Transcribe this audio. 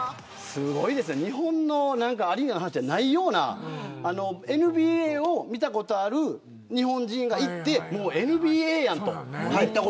日本のアリーナの話じゃないようなＮＢＡを見たことがある日本人が行ってもうＮＢＡやんと。